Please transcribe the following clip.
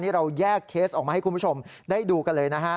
นี่เราแยกเคสออกมาให้คุณผู้ชมได้ดูกันเลยนะฮะ